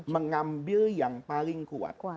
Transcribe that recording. mengambil yang paling kuat